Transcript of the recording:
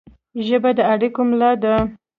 ژبه د اړیکو ملا ده